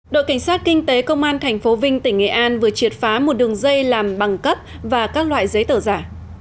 đội cảnh sát kinh tế công an tp vinh tỉnh nghệ an vừa triệt phá một đường dây làm bằng cấp và các loại giấy tờ giả